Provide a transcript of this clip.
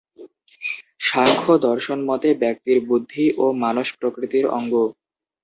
সাংখ্য দর্শনমতে ব্যক্তির বুদ্ধি ও মানস প্রকৃতির অঙ্গ।